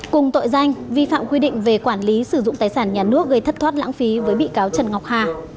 cùng tội danh vi phạm quy định về quản lý sử dụng tài sản nhà nước gây thất thoát lãng phí với bị cáo trần ngọc hà